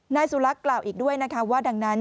นายสุรักษ์กล่าวอีกด้วยนะคะว่าดังนั้น